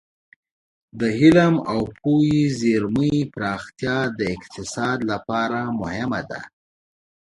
د علم او پوهې د زېرمې پراختیا د اقتصاد لپاره مهمه ده.